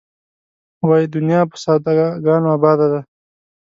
وایې دنیا په ساده ګانو آباده ده.